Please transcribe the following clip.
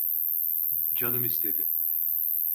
Canım istedi…